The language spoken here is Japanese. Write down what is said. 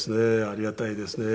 ありがたいですね。